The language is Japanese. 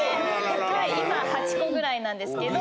今８個ぐらいなんですけど。